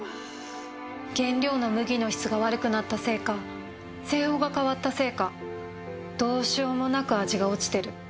原料の麦の質が悪くなったせいか製法が変わったせいかどうしようもなく味が落ちてる。